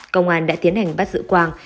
công an đã tiến hành bắt giữ quang